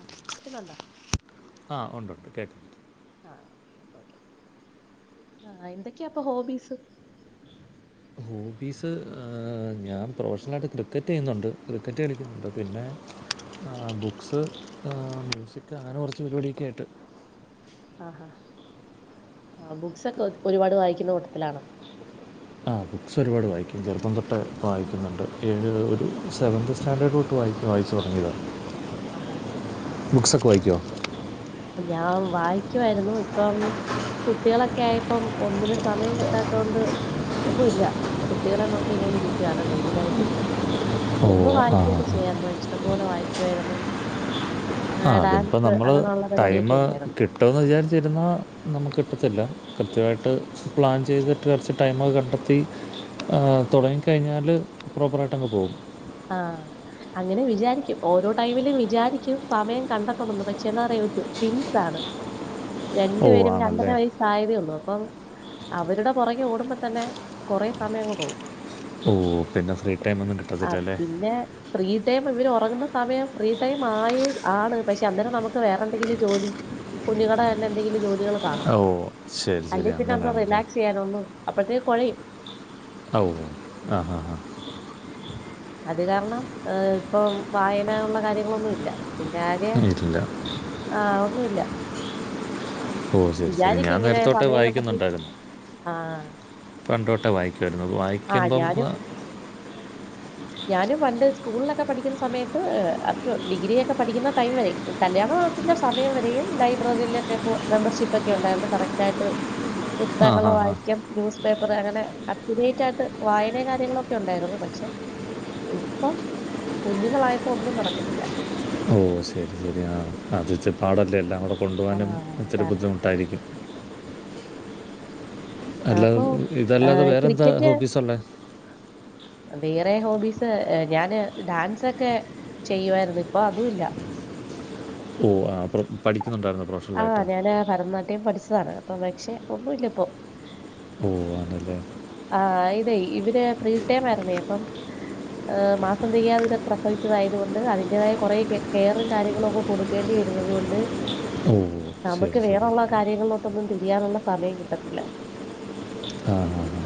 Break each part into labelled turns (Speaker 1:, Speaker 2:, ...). Speaker 1: ആഹ് കേക്കുന്നുണ്ടോ
Speaker 2: ആഹ് ഉണ്ട് ഉണ്ട് കേക്ക്ന്ന്
Speaker 1: ആഹ് എന്തൊക്കെയാ അപ്പൊ ഹോബീസ്
Speaker 2: ഹോബീസ് ഞാൻ പ്രൊഫഷണലായിട്ട് ക്രിക്കറ്റ് ചെയ്യുന്നുണ്ട് ക്രിക്കറ്റ് കളിക്കുന്നുണ്ട് പിന്നെ ആഹ് ബുക്സ് മ്യൂസിക് അങ്ങനെ കുറച്ച് പരിപാടിയൊക്കെ ആയിട്ട്
Speaker 1: ആഹാ ആഹ് ബുക്സ് ഒക്കെ ഒരുപാട് വായിക്കുന്ന കൂട്ടത്തിലാണോ
Speaker 2: ആഹ് ബുക്സ് ഒരുപാട് വായിക്കും ചെറുപ്പം തൊട്ട വായിക്കുന്നുണ്ട് എഴ് ഒരു സെവൻത്ത് സ്റ്റാൻഡേഡ് ട്ട് വായി വായിച്ച തുടങ്ങിയതാണ്
Speaker 1: ആഹ്
Speaker 2: ബുക്സൊക്കെ വായിക്കുമോ
Speaker 1: ഞാൻ വായിക്കുവായിരുന്നു ഇപ്പം കുട്ടികളൊക്കെ ആയപ്പം ഒന്നിന് സമയം കിട്ടാത്ത കൊണ്ട് ഒന്നുല്ല കുട്ടികളെ നോക്കി ഇങ്ങനെ ഇരിക്കയാണ് മെയിൻ ആയിട്ട് ഇപ്പൊ മുമ്പ്
Speaker 2: ഓ ആ ആ
Speaker 1: വായിക്കുവൊക്കെ ചെയ്യായിരുന്നു ഇഷ്ടം പോലെ വായിക്കുവായിരുന്നു
Speaker 2: ആഹ് അതിനിപ്പോം
Speaker 1: ഡാൻസ്
Speaker 2: നമ്മൾ
Speaker 1: അങ്ങനെയുള്ള
Speaker 2: ടൈം
Speaker 1: പരിപാടിയൊക്കെ ഉണ്ടായിരുന്നു
Speaker 2: കിട്ടുമെന്ന് വിചാരിച്ചിരുന്നാൽ നമുക്ക് കിട്ടത്തില്ല കൃത്യമായിട്ട് പ്ലാൻ ചെയ്തിട്ട് കുറച്ച് ടൈമൊക്കെ കണ്ടെത്തി ആഹ് തുടങ്ങിക്കഴിഞ്ഞാല് പ്രോപ്പറായിട്ട് അങ്ങ് പോകും
Speaker 1: ആഹ് അങ്ങനെ വിചാരിക്കും ഓരോ ടൈമിലും വിചാരിക്കും സമയം കണ്ടെത്തണുന്നത് പക്ഷെന്നാറിയൊ ട്വിൻസ് ആണ് രണ്ടു
Speaker 2: ഓ
Speaker 1: പേരും രണ്ടര
Speaker 2: ആണല്ലേ
Speaker 1: വയസ് സായതയുള്ളു അപ്പം അവരുടെ പുറകെ ഓടുമ്പോൾ തന്നെ കുറെ സമയങ്ങ് പോകും
Speaker 2: ഓ പിന്നെ ഫ്രീ ടൈം എന്നട്ട്
Speaker 1: ആഹ് പിന്നെ ഫ്രീ ടൈം ഇവര് ഉറങ്ങുന്ന സമയം ഫ്രീ ടൈം ആയി ആണ് പക്ഷെ അന്നരം നമുക്ക് വേറെ എന്തെങ്കിലും ജോലി കുഞ്ഞിങ്ങടെ തന്നെ എന്തെങ്കിലും ജോലികൾ കാണും
Speaker 2: ഓ ശരി
Speaker 1: അല്ലങ്കി
Speaker 2: ശരി
Speaker 1: പിന്നെ ഒന്ന്
Speaker 2: അങ്ങനെയാണല്ലേ
Speaker 1: റിലാക്സ് ചെയ്യാനൊന്നു അപ്പോഴ്ത്തേക്ക് കൊഴയും
Speaker 2: ഔ ആ ഹാ ഹാ
Speaker 1: അത് കാരണം ഇപ്പം വായന ഉള്ള കാര്യങ്ങളൊന്നുല്ല പിന്നെ ആകെ
Speaker 2: ഇല്ല
Speaker 1: ആഹ് ഒന്നുമില്ല
Speaker 2: ഓ ശരി ശരി
Speaker 1: വിചാരിക്കും
Speaker 2: ഞാൻ
Speaker 1: ഇങ്ങനെ
Speaker 2: നേരത്തോട്ട്
Speaker 1: സമയം കണ്ടെത്തി
Speaker 2: വായിക്കുന്നുണ്ടായിരുന്നു
Speaker 1: ആ
Speaker 2: പണ്ടോട്ടെ വായിക്കുമായിരുന്നു
Speaker 1: ആ
Speaker 2: വായിക്കുമ്പംപ്പ
Speaker 1: ഞാനും ഞാനും പണ്ട് സ്കൂളിലൊക്കെ പഠിക്കുന്ന സമയത്ത് ആഫ്റ്റർ ഡിഗ്രിയൊക്കെ പഠിക്കുന്ന ടൈം വരെ കല്യാണവത്തിന്റെ സമയം വരയും ലൈബ്രറിയിലൊക്കെ മെമ്പർഷിപ്പ് ഒക്കെ ഉണ്ടായിരുന്നു കറക്റ്റ് ആയിട്ട്
Speaker 2: ആ
Speaker 1: പുസ്തകങ്ങള്
Speaker 2: ഹാ ഹാ
Speaker 1: വായിക്കും. ന്യൂസ് പേപ്പർ അങ്ങനെ അത്യുറേറ്റ് ആയിട്ട് വായനയും കാര്യങ്ങളൊക്കെ ഉണ്ടായിരുന്നു പക്ഷെ ഇപ്പം കുഞ്ഞുങ്ങളായപ്പോ ഒന്നും നടക്കുന്നില്ല
Speaker 2: ഓ ശരി ശരി ആഹ് അത്ത്തി പാടല്ലേ എല്ലാം കൂടെ
Speaker 1: ആ
Speaker 2: കൊണ്ടുപോകാനും ഇത്തിരി
Speaker 1: അതാണ്
Speaker 2: ബുദ്ധിമുട്ടായിരിക്കും അല്ലാത
Speaker 1: അപ്പോ
Speaker 2: ഇതല്ലാതെ വേറെന്താ
Speaker 1: ക്രിക്കറ്റ്
Speaker 2: ഹോബീസ് ഉള്ളേ
Speaker 1: വേറെ ഹോബീസ് ഞാന് ഡാൻസൊക്കെ ചെയ്യുവായിരുന്നു ഇപ്പൊ അതുംല്ല
Speaker 2: ഓ ആഹ് അപ്പം പഠിക്കുന്നുണ്ടായിരുന്നു പ്രൊഫൻ
Speaker 1: ആഹ് ഞാന് ഭരതനാട്യം പഠിച്ചതാണ് അപ്പൊ പക്ഷെ ഒന്നുമില്ല ഇപ്പോ
Speaker 2: ഓ ആണല്ലേ
Speaker 1: ആഹ് ഇതയ് ഇവര് ഫ്രീടൈമായിരുന്നേ അപ്പം മാസംന്തിക്കാവിത പ്രസവിച്ചതായതുകൊണ്ട് അതിന്റേതായ കുറെ കെയറും കാര്യങ്ങളും ഒക്കെ കൊടുക്കേണ്ടി വരുന്നത് കൊണ്ട്
Speaker 2: ഓ
Speaker 1: നമുക്ക്
Speaker 2: ശരി ശരി
Speaker 1: വേറെള്ള കാര്യങ്ങളിലോട്ടൊന്നും തിരിയാനുള്ള സമയം കിട്ടത്തില്ല
Speaker 2: ആഹ് ആഹ്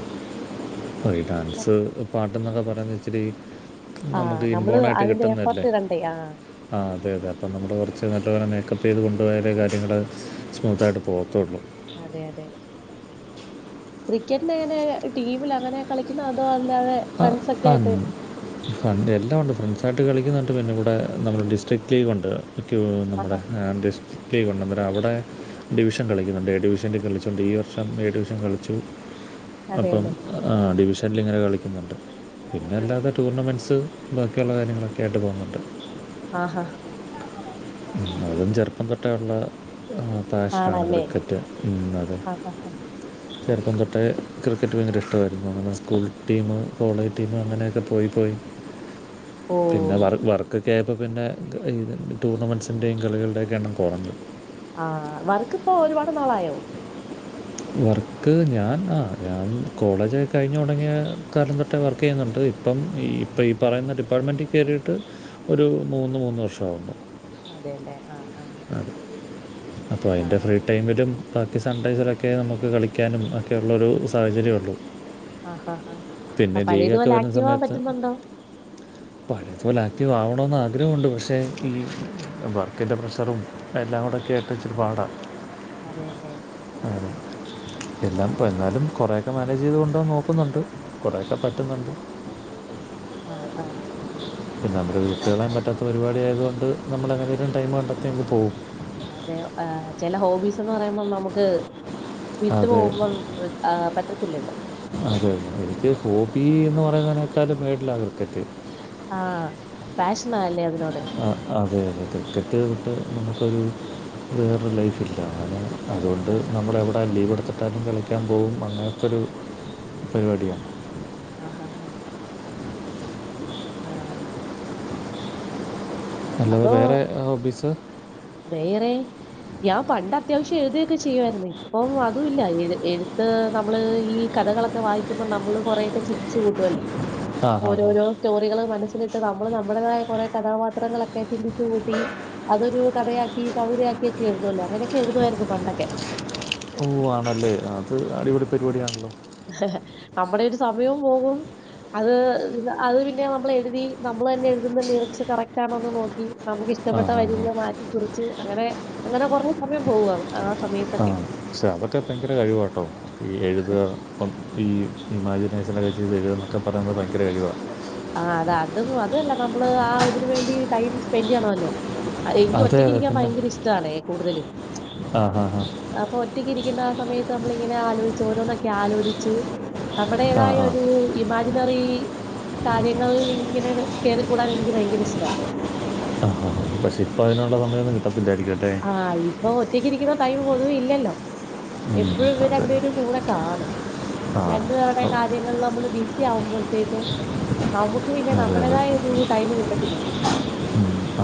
Speaker 2: ഒയ് ഡാൻസ് പാട്ട് എന്നൊക്കെ പറയാന്ന് ഇച്ചിരി
Speaker 1: ആഹ്
Speaker 2: നമുക്ക്
Speaker 1: നമ്മള്
Speaker 2: ഇൻബോൺ ആയിട്ട്
Speaker 1: അതിന്റെ എഫർട്ട്
Speaker 2: കിട്ടുന്നല്ലേ
Speaker 1: ഇടണ്ടേ ആഹ്
Speaker 2: ആ അതെ അതെ അപ്പം നമ്മള് കൊറച്ച് നല്ലപോലെ മേക്കപ്പ് ചെയ്ത് കൊണ്ടു പോയാലേ കാര്യങ്ങള് സ്മൂത്തായിട്ട് പോകത്തുള്ളൂ
Speaker 1: അതെ അതെ ക്രിക്കറ്റിന് എങ്ങനെ ടീമിൽ അങ്ങനെ കളിക്കുന്ന അതോ അല്ലാതെ
Speaker 2: അ
Speaker 1: ഫ്രണ്ട്സ് ഒക്കെ
Speaker 2: ആഹ്
Speaker 1: ആയിട്ട്
Speaker 2: ഫണ്ട് എല്ലാം ഉണ്ട് ഫ്രണ്ട്സ്‌ ആയിട്ട് കളിക്കുന്നുണ്ട് പിന്നെ ഇവിടെ നമ്മൾ ഡിസ്ട്രിക്ക് ടീം ഒണ്ട് ഒക്കെ നമ്മുടെ
Speaker 1: ആഹാ
Speaker 2: ഡിസ്ട്രിക്റ്റ് ഒണ്ട് അന്നേരം അവിടെ- ഡിവിഷൻ കളിക്കുന്നുണ്ട് എ ഡിവിഷൻ കളിച്ചുകൊണ്ട് ഈ വർഷം എ ഡിവിഷൻ കളിച്ചു അപ്പം
Speaker 1: അതെയല്ലേ
Speaker 2: ഡിവിഷനിൽ ഇങ്ങനെ കളിക്കുന്നുണ്ട് പിന്നെ എല്ലാ- പിന്നെ ടൂർണമെൻസ് ബാക്കിയുള്ള കാര്യങ്ങളൊക്കെ ആയിട്ട് പോകുന്നുണ്ട്.
Speaker 1: ആഹ് ആഹ്.
Speaker 2: അതും ചെറുപ്പം തൊട്ടെയുള്ള ഫാഷനാണ്
Speaker 1: ആണല്ലേ
Speaker 2: ക്രിക്കറ്റ് അത്-
Speaker 1: ആഹാ
Speaker 2: ചെറുപ്പം തൊട്ടേ ക്രിക്കറ്റ് ഭയങ്കര ഇഷ്ടമായിരുന്നു സ്കൂൾ ടീമ് കോളേജ് ടീമ് അങ്ങനെയൊക്കെ പോയിപ്പോയി.
Speaker 1: ഓ
Speaker 2: പിന്നെ വ വർക്ക് ഒക്കെ ആയപ്പോ പിന്നെ ടൂർണമെൻസിൻ്റെയും കളികളുടെയൊക്കെ എണ്ണം കുറഞ്ഞു.
Speaker 1: ആഹ് വർക്ക് ഇപ്പോ ഒരുപാട് നാളായോ.
Speaker 2: വർക്ക് ഞാൻ ആ ഞാൻ കോളേജ് കഴിഞ്ഞ് തൊടങ്ങിയ കാലം തൊട്ടെ വർക്ക് ചെയ്യുന്നുണ്ട്. ഇപ്പം ഈ ഇപ്പോ ഈ പറയുന്ന ഡിപ്പാർട്ട്മെൻറ് കയറിയിട്ട് ഒരു മൂന്ന് മൂന്ന് വർഷവുന്നു.
Speaker 1: അതെയില്ലേ ആഹ് ആഹ്.
Speaker 2: അപ്പോ അയിന്റെ ഫ്രീ ടൈമിലും ബാക്കി സൺഡൈസിലൊക്കെ നമുക്ക് കളിക്കാനും ഒക്കെയുള്ളൊരു സാഹചര്യള്ളൂ.
Speaker 1: ആഹ് ആഹ്
Speaker 2: പിന്നെ
Speaker 1: ആഹ്
Speaker 2: ലീവൊക്കെ
Speaker 1: പഴയതുപോലെ
Speaker 2: വരുന്ന
Speaker 1: ആക്റ്റീവ് ആവാൻ
Speaker 2: സമയത്ത്
Speaker 1: പറ്റുന്നുണ്ടോ
Speaker 2: പഴയത് പോലെ ആക്റ്റീവ് ആവണന്ന് ആഗ്രഹവുണ്ട് പക്ഷെ ഈ വർക്കിന്റെ പ്രഷറും- എല്ലാം കൂടെ ഒക്കെ ആയപ്പോ ഇച്ചിരി പാടാ
Speaker 1: അതെയല്ലേ.
Speaker 2: അ എന്നാ ഇപ്പൊ
Speaker 1: ആഹ്
Speaker 2: എന്നാലും കൊറെ ഒക്കെ മാനേജ് ചെയ്തുകൊണ്ടൊ വാൻ നോക്കുന്നുണ്ട് കൊറേയൊക്കെ പറ്റുന്നുണ്ട്.
Speaker 1: ആഹ് ആഹ്.
Speaker 2: അങ്ങനെ വിട്ടു കളയാൻ പറ്റാത്ത പരിപാടി അയതുകൊണ്ട് പിന്നെ നമ്മള് എങ്ങനെങ്കിലും ടൈം കണ്ടെത്തിയങ്ങ് പോവും.
Speaker 1: അതെ ചെല ഹോബീസ്ന്ന് പറയുമ്പോ നമുക്ക് വിട്ടു
Speaker 2: അതെ
Speaker 1: പോവുമ്പം പറ്റത്തില്ലല്ലോ.
Speaker 2: അതെ അതെ എനിക്ക് ഹോബി എന്ന് പറയുന്നതിനേക്കാളും മേളിലാണ് ക്രിക്കറ്റ്.
Speaker 1: ആഹ് പാഷനല്ലെ അതിനോട്.
Speaker 2: ആ അതെ അതെ ക്രിക്കറ്റ് വിട്ട് നമുക്കൊരു വേറൊരു ലൈഫില്ല അങ്ങനെ അതുകൊണ്ട്
Speaker 1: ആഹ്
Speaker 2: നമ്മള് എവിടെ ലീവ് എടുത്തിട്ടാലും കളിക്കാൻ പോവും അങ്ങനത്തൊരു പരിപാടിയാണ്.
Speaker 1: ആഹ് ആഹ് ആഹ്. ആ
Speaker 2: അല്ലതെ
Speaker 1: അപ്പൊ
Speaker 2: വേറെ ഹോബീസ്
Speaker 1: വേറെ ഞാൻ പണ്ട് അത്യാവശ്യം എഴുതിയൊക്കെ ചെയ്യുവായിരുന്നു ഇപ്പം അതും ഇല്ല എ എഴുത്ത് നമ്മള് ഈ കഥകളൊക്കെ വായിക്കുമ്പോ നമ്മള് കൊറേയൊക്കെ ചിന്തിച്ച് കൂട്ടുവല്ലോ.
Speaker 2: ആ ഹാ ഹാ
Speaker 1: ഓരോരോ സ്റ്റോറികള് മനസ്സിലിട്ട് നമ്മള് നമ്മുടെതായ കോറെ കഥാപാത്രങ്ങളൊക്ക ക്കെ ചിന്തിച്ചു കൂട്ടി അതൊരു കഥയാക്കി കവിതയക്കിയെക്കെ എഴുതല്ലോ അങ്ങനെയൊക്കെ എഴുതായിരുന്നു പണ്ടൊക്കെ.
Speaker 2: ഓ ആണല്ലേ അത് അടിപൊളി പരിപാടിയാണല്ലോ.
Speaker 1: നമ്മുടെ ഒരു സമയോം പോകും. അത് അത് പിന്നെ നമ്മൾ എഴുതി നമ്മൾ തന്നെ എഴുതുന്ന ലിറിക്സ് കറക്റ്റ്ണോന്ന് നോക്കി നമുക്ക്
Speaker 2: ആ
Speaker 1: ഇഷ്ടപ്പെട്ട
Speaker 2: ഹാ ഹാ
Speaker 1: വരികള് മാറ്റി കുറിച്ച് അങ്ങനെ അങ്ങനെ കൊറഞ്ഞ സമയം പോവണ് ആ സമയത്ത്
Speaker 2: ആ പക്ഷേ അതൊക്കെ ഭയങ്കര കഴിവാട്ടോ ഈ എഴുത ഇപ്പം ഈ ഇമാജിനേഷനൊക്കെ ചെയ്ത് എഴുതന്നൊക്കെ പറയുന്നത് ഭയങ്കര കഴിവ.
Speaker 1: ആ അതും അതല്ല നമ്മള് ആ ഇതിന് വേണ്ടി ടൈം സ്പെൻഡ്യ്യണമല്ലോ. എനിക്ക്
Speaker 2: അതെ
Speaker 1: ഒറ്റക്ക്
Speaker 2: അതെ
Speaker 1: ഇരിക്കാൻ
Speaker 2: പിന്നെ
Speaker 1: ഭയങ്കര ഇഷ്ട്ടാണെ കൂടുതലും.
Speaker 2: ആ ഹാ ഹാ
Speaker 1: അപ്പൊ ഒറ്റക്ക് ഇരിക്ക്ന്ന ആ സമയത്ത് നമ്മള് ഇങ്ങനെ ആലോയിച്ച് ഓരോന്നൊക്കെ ആലോചിച്ച്.
Speaker 2: ആ
Speaker 1: നമ്മടേതായ
Speaker 2: ആ
Speaker 1: ഒരു ഇമാജിനറി. കാര്യങ്ങളിങ്ങനെ കേറിക്കൂടാൻ എനിക്ക് ഭയങ്കര ഇഷ്ട.
Speaker 2: ആഹ് പക്ഷേ ഇപ്പോൾ അതിനുള്ള സമയമൊന്നും കിട്ടത്തില്ലായിരിക്കും അല്ലെ.
Speaker 1: ആഹ് ഇപ്പൊ ഒറ്റയ്ക്ക് ഇരിക്കുന്ന ടൈം പൊതുവെ ഇല്ലല്ലോ.
Speaker 2: ഉം,
Speaker 1: എപ്പഴും ഇവര്‌
Speaker 2: അതെ
Speaker 1: രണ്ട്പേരും കൂടെ കാണും
Speaker 2: ആ
Speaker 1: രണ്ടുപേരുടെ
Speaker 2: ഓ,
Speaker 1: കാര്യങ്ങള് നമ്മള് ബിസി ആവുമ്പോഴത്തേക്കും. നമുക്ക് പിന്നെ
Speaker 2: അതെ അതെ
Speaker 1: നമ്മടേതായ ഒരു ടൈമ് കിട്ടത്തില്ലല്ലോ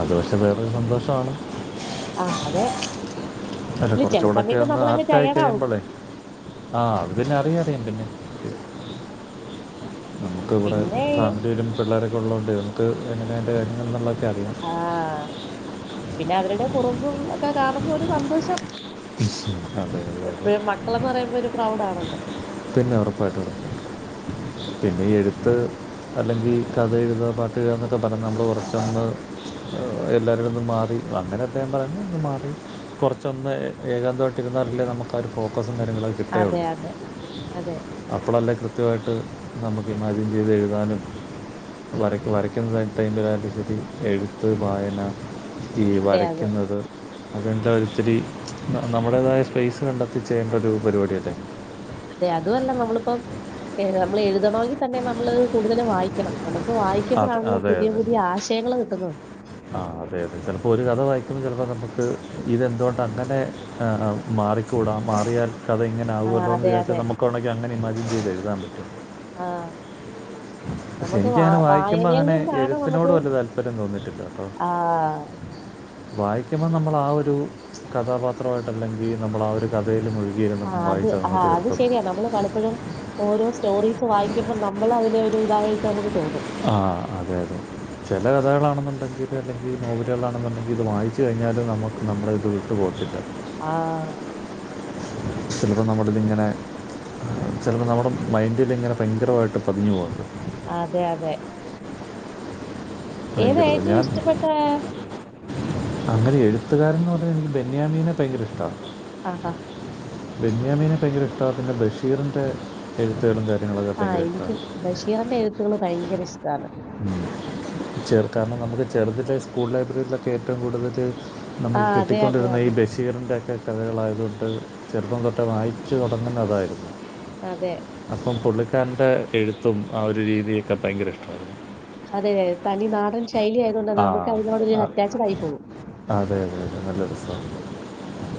Speaker 2: ഒരു പക്ഷേ വേറൊരു സന്തോഷവാണ്
Speaker 1: ആഹ് അതെ
Speaker 2: അല്ല
Speaker 1: ഇല്ല
Speaker 2: കൊറച്ചു
Speaker 1: ചില
Speaker 2: കൂടെക്കെ
Speaker 1: സമയത്ത്
Speaker 2: ഒന്ന്
Speaker 1: നമ്മളങ്ങ്
Speaker 2: ആർട്ടായി
Speaker 1: ആവും
Speaker 2: കഴിയുമ്പളേ ആ അത് പിന്നെ അറിയ അറിയാം പിന്നെ നമുക്ക് വിടെ
Speaker 1: പിന്നെ
Speaker 2: ഫാമിലിയിലും പിള്ളേരൊക്കെ ഉള്ളോണ്ടേ നമക്ക് എങ്ങനെ അയ്ന്റെ [unintelligible] എങ്ങ്ന്നെക്കെറിയാം
Speaker 1: ആഹ് പിന്നെ അവരുടെ കുറുമ്പും ഒക്കെ കാണുമ്പോൾ ഒരു സന്തോഷം
Speaker 2: ഉം അതെ അതെ അതെ
Speaker 1: പ്രൗഡാണല്ലേ
Speaker 2: പിന്നെ ഒറപ്പായിട്ടും പിന്നെ ഈ എഴുത്ത് അല്ലങ്കി കഥ എഴുത പാട്ട്ഴുത എന്നൊക്കെ പറ നമ്മള് ഉറച്ചെന്ന് എല്ലാവരിൽ നിന്നും മാറി അങ്ങനെ എന്തേലും പറഞ്ഞ് ഒന്നു മാറി കൊറച്ചൊന്ന് ഏകാന്തമായിട്ടിരുന്നാലല്ലേ നമക്ക് ആ ഒരു ഫോക്കസും കാര്യങ്ങളൊക്കെ
Speaker 1: അതെ അതെ അതെ
Speaker 2: അപ്പളല്ലേ കൃത്യമായിട്ട് നമുക്ക് ഇമാജിൻ ചെയ്ത് എഴുതാനും വരക്ക വരക്കുന്നതായിട്ട അയിന്റെ വാലിടിറ്റി എഴുത്ത് വായന ഈ
Speaker 1: അതെ അതെ
Speaker 2: വരയ്ക്കുന്നത് അതെന്താ ഒത്തിരി നമ്മുടേതായ സ്പേയ്സ് കണ്ടെത്തി ചെയ്യേണ്ട ഒരു പരിപാടിയല്ലെ
Speaker 1: അതെ അതൂ അല്ല നമ്മളിപ്പം നമ്മള് എഴുതണോങ്കിൽ തന്നെ നമ്മള് കൂടുതല് വായിക്കണം നമുക്ക്
Speaker 2: അത്
Speaker 1: വായിക്കുമ്പളാണല്ലോ
Speaker 2: അതെ
Speaker 1: പുതിയ
Speaker 2: അതെ
Speaker 1: പുതിയ ആശയങ്ങള് കിട്ടുന്നത്
Speaker 2: ആ അതെ അതെ ചെലപ്പോ ഒരു കഥ വായിക്കുമ്പോ ചെലപ്പോ നമുക്ക് ഇതെന്തുകൊണ്ട് അങ്ങനെ ആ മാറി കൂടാം മാറിയാൽ കഥ
Speaker 1: ആ
Speaker 2: ഇങ്ങനൊവോല്ലേ എന്ന്
Speaker 1: അതെ
Speaker 2: വിചാരിച്
Speaker 1: അതെ
Speaker 2: നമുക്കാണങ്കിൽ അങ്ങനെ ഇമാജിൻ ചെയ്ത് എഴുതാൻ പറ്റും
Speaker 1: ആഹ്
Speaker 2: പക്ഷെ
Speaker 1: നമുക്ക് വ
Speaker 2: എനിക്കങ്ങനെ
Speaker 1: വായ
Speaker 2: വായിക്കുമ്പോൾ അങ്ങനെ എഴുത്തിനോട് വല്ല്യ താല്പര്യം തോന്നിട്ടില്ലട്ടോ
Speaker 1: ആഹ്
Speaker 2: വായിക്കുമ്പോ നമ്മള് ആ ഒരു കഥാപാത്രമായിട്ട് അല്ലെങ്കിൽ നമ്മള് ആ ഒരു കഥയില് മുഴുകിയ
Speaker 1: ആഹ് അത് ആഹ് അത് ശരിയാ നമ്മള് പലപ്പഴും ഓരോ സ്റ്റോറീസ് വായിക്കുമ്പോ നമ്മള് അതിലെ ഒരു ഇതായിട്ട് നമക്ക് തോന്നും
Speaker 2: ആ അതെ അതെ ചെല കഥകളാണ്ന്നുണ്ടങ്കില് അല്ലെങ്കിൽ നോവലുകളാണ്ന്നുണ്ടങ്കിൽ ഇത് വായിച്ച് കഴിഞ്ഞാല് നമക്ക് നമ്മടെ ഇത് ഇട്ട് പോത്തില്ല
Speaker 1: ആഹ്
Speaker 2: ചെലത് നമ്മുടെതിങ്ങനെ ചെലത് നമ്മുടെ മൈൻഡിലിങ്ങനെ ഭയങ്കരമായിട്ട് പതിഞ്ഞു പോവ്ണ്ട്
Speaker 1: അതെ അതെ ഏതാ
Speaker 2: ഭയങ്കര ഇത്
Speaker 1: ഏറ്റവും
Speaker 2: ഞാൻ
Speaker 1: ഇഷ്ടപ്പെട്ട
Speaker 2: അങ്ങനെ എഴുത്തുകാരന്ന് പറഞ്ഞങ്കില് ബെന്യാമീനെ ഭയങ്കര ഇഷ്ടാണ്
Speaker 1: ആഹ് ആഹ്
Speaker 2: ബെന്യാമീനെ ഭയങ്കര ഇഷ്ടാ പിന്നെ ബഷീറിന്റെ എഴുത്തുകളും തുള്ളത് ഭയങ്കര ഇഷ്ടാണ്
Speaker 1: ഷീറിന്റെ എഴുത്തുകള് ഭയങ്കര ഇഷ്ടാണ്
Speaker 2: ചെർക്കാ ന്ന് പറഞ്ഞത് ചെറുത് സൈസ് സ്കൂൾ ലൈബ്രറിന്നെക്കെ ഏറ്റവും കൂടുതല്
Speaker 1: ആ
Speaker 2: നമക്ക്
Speaker 1: അതെ അതെ
Speaker 2: കിട്ടിക്കൊണ്ടിരുന്ന ഈ
Speaker 1: അതെ
Speaker 2: ബഷി ഷിറിന്റെൻ്റെക്കെ കഥകളായതുകൊണ്ട് ചെറുപ്പം തൊട്ടെ വായിച്ച് തുടങ്ങുന്നതായിരുന്നു
Speaker 1: അതെ
Speaker 2: അപ്പം പുള്ളിക്കാരന്റെ എഴുത്തും ആ ഒരു രീതിയൊക്കെ ഭയങ്കര ഇഷ്ടാണ്
Speaker 1: അതെ തനി നാടൻ ശൈലി ആയതുകൊണ്ട്
Speaker 2: ആ
Speaker 1: നമക്ക് അതിനോട് ഒരു
Speaker 2: ആ
Speaker 1: അറ്റാച്ചിഡ് ആയി പോവും
Speaker 2: അതെ അതെ അതെ നല്ല രസം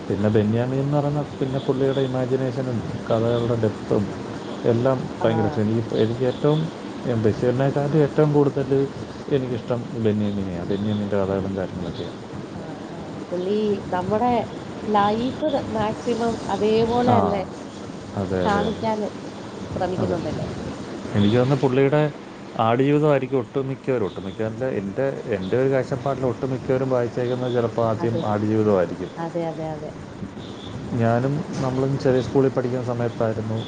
Speaker 2: പിന്നെ ബെന്യാമിന്ന് പറഞ്ഞാ പിന്നെ പുള്ളിയുടെ ഇമാജിനേഷനും കഥകളുടെ ഡെപ്ത്തും എല്ലാം
Speaker 1: ആ
Speaker 2: ഭയങ്കര സെമി എനിക്ക് ഏറ്റവും ബഷീർനേക്കാളും ഏറ്റവും കൂടുതല് എനിക്കിഷ്ടം ബെന്യമിനെ ബെന്യമിന്റെ അതാണ് എന്റെ ആത്മഹത്യ
Speaker 1: ആഹ് ആഹ് പുള്ളി നമ്മുടെ ലൈഫ് മാക്സിമം അതേപോലെ
Speaker 2: ആ
Speaker 1: തന്നെ
Speaker 2: അതെ അതെ
Speaker 1: കാണിക്കാൻ
Speaker 2: അതെ അതെ
Speaker 1: ശ്രമിക്കുന്നുണ്ടല്ലോ
Speaker 2: എനിക്ക് തോനുന്നു പുള്ളിയുടെ ആടുജീവിതമായിരിക്കും ഒട്ടുംമിക്കവരും ഒട്ടുമിക്കവര്ന്ന് വെച്ച എൻ്റെ എൻ്റെ ഒരു കാഴ്ചപ്പാടിൽ ഒട്ടുമിക്കവരും വായിച്ചേക്കുന്ന ചിലപ്പോൾ പ്പൊ ആദ്യം
Speaker 1: അതെ
Speaker 2: ആടുജീവിതമായിരിക്കും
Speaker 1: അതെ അതെ അതെ
Speaker 2: ഞാനും നമ്മളും ചെറിയ സ്കൂളിൽ പഠിക്കുന്ന സമയത്തായിരുന്നു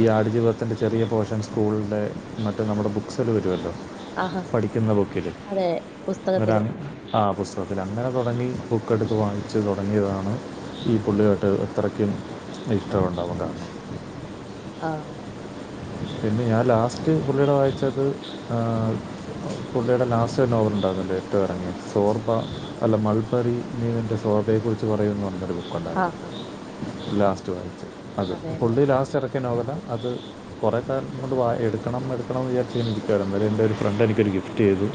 Speaker 2: ഈ ആടുജീവിതത്തിന്റെ ചെറിയ പോർഷൻ സ്കൂളിന്റെ മറ്റു നമ്മുടെ ബുക്സിൽ വരുമല്ലോ
Speaker 1: ആഹാ
Speaker 2: പഠിക്കുന്ന ബുക്കില്
Speaker 1: അതെ
Speaker 2: വരാ
Speaker 1: പുസ്തകത്തില്
Speaker 2: ആഹ് പുസ്തകത്തിൽ അങ്ങനെ തുടങ്ങി ബുക്കെടുത്ത് വാങ്ങിച്ച് തുടങ്ങിയതാണ് ഈ പുള്ളിയായിട്ട് അത്രയ്ക്കും ഇഷ്ടമുണ്ടാവാൻ കാരണം
Speaker 1: ആഹ്
Speaker 2: പിന്നെ ഞാൻ ലാസ്റ്റ് പുള്ളിയുടെ വായിച്ചത് പുള്ളിയുടെ ലാസ്റ്റ് നോവൽ ഉണ്ടാവുന്നില്ലോ ഏറ്റവും ഇറങ്ങി സോർബ അല്ല മൾബറി നീവിന്റെ ശോഭയെ കുറിച്ച് പറയുന പറഞ്ഞൊരു ബുക്കുണ്ട്
Speaker 1: ആഹ് ആഹ്
Speaker 2: ലാസ്റ്റ് വായിച്ച് അത്
Speaker 1: അതെല്ലേ
Speaker 2: പുള്ളി ലാസ്റ്റ് ഇറക്കിയ നോവലാ അത് കുറേ കാലം കൊണ്ട് വാ എടുക്കണം എടുക്കണംന്ന് വിചാരിച്ച് ഇരിക്കുകയായാരുന്നു എന്നേരം എൻ്റെ ഒരു ഫ്രണ്ട് എനിക്കൊരു ഗിഫ്റ്റ് ചെയ്തു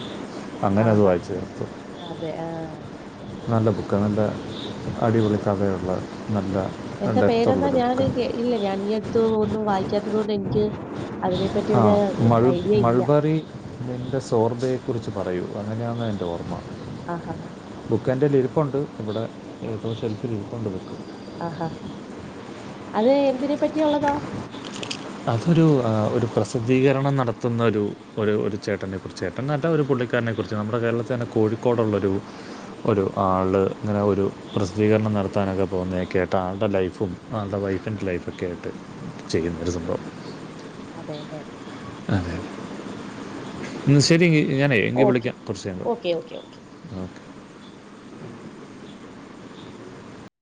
Speaker 2: അങ്ങനെ അത്
Speaker 1: ആഹാ
Speaker 2: വായിച്ചു തീർത്തു
Speaker 1: അതെ ആ
Speaker 2: നല്ല ബുക്കാണ് നല്ല അടിപൊളി കഥയുള്ള നല്ല
Speaker 1: എന്താ പേരെന്താ
Speaker 2: ഡെപ്തുള്ളൊരു
Speaker 1: ഞാന്
Speaker 2: ബുക്കാണ്
Speaker 1: ഇല്ല ഞാൻ ഈ അടുത്ത് ഒന്നും വായിക്കാത്തത് കൊണ്ട് എനിക്ക് അതിനെപ്പറ്റി ഒരു
Speaker 2: ആഹ് മൾ
Speaker 1: ഐഡിയ ഇല്ല
Speaker 2: മൾബറി നിന്റെ സോർദയെക്കുറിച്ച് പറയൂ അങ്ങനെയാണ് എന്റെ ഓർമ്മ
Speaker 1: ആഹ് ആഹ്
Speaker 2: ബുക്ക്എൻ്റെലിരിപ്പുണ്ട് ഇവിടെ ഏതോ ഒരു ഷെൽഫിലിരിപ്പുണ്ട് ബുക്ക്
Speaker 1: അ ഹാ അത് എന്തിനെ പറ്റിയുള്ളതാ
Speaker 2: അതൊരു ഒരു പ്രസിദ്ധീകരണം നടത്തുന്ന ഒരു ഒരു ഒരു ചേട്ടനെ കുറിച്ചാ ചേട്ടൻ നല്ല ഒരു പുള്ളിക്കാരനെ കുറിച്ച് നമ്മുടെ കേരളത്തിൽ തന്നെ കോഴിക്കോടുള്ളൊരു ഒരു ആള് ഇങ്ങനെ ഒരു പ്രസിദ്ധീകരണം നടത്താനൊക്കെ പോകുന്നത് കേട്ടാ ആളുടെ ലൈഫും ആളുടെ വൈഫിൻ്റ് ലൈഫ് ഒക്കെ ആയിട്ട് ചെയ്യുന്നൊ ഒരു സംഭവം
Speaker 1: അതേല്ലെ
Speaker 2: അതെ
Speaker 1: ആഹ്
Speaker 2: ഇന്നാ ശരി ഞാനേ വിളിക്കാം കൊർച്ച് കയിഞ്ഞിട്ട്
Speaker 1: ഓക്കെ ഓക്കെ ഓക്കെ
Speaker 2: ഓക്കെ.